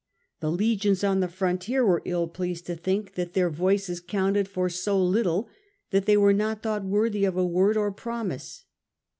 The legions on the frontier were ill" legionanes, pig^sed to think that their voices counted for so little, that they were not thought worthy of a word or promise.